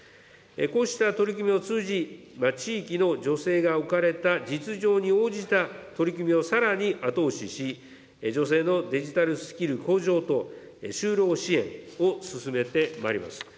こうした取り組みを通じ、地域の女性が置かれた実情に応じた取り組みをさらに後押しし、女性のデジタルスキル向上と、就労支援を進めてまいります。